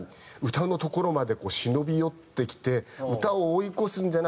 歌のところまでこう忍び寄ってきて歌を追い越すんじゃないか？